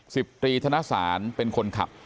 สิบตรีธนสารเป็นคนขับ